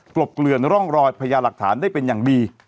ลบเกลือนร่องรอยพญาหลักฐานได้เป็นอย่างดี